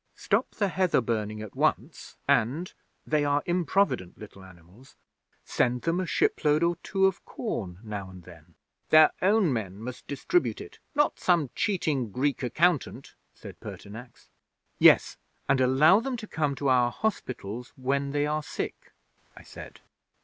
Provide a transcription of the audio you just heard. "Stop the heather burning at once, and they are improvident little animals send them a shipload or two of corn now and then." '"Their own men must distribute it not some cheating Greek accountant," said Pertinax. '"Yes, and allow them to come to our hospitals when they are sick," I said.